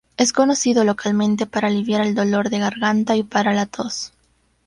Es conocido localmente para aliviar el dolor de garganta y para la tos.